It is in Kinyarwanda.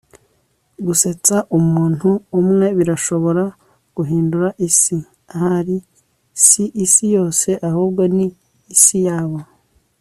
gusetsa umuntu umwe birashobora guhindura isi. ahari si isi yose ahubwo ni isi yabo